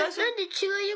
違うよ